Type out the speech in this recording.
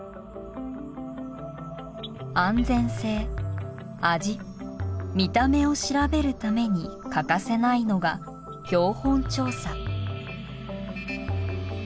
安全性味見た目を調べるために欠かせないのが標本調査。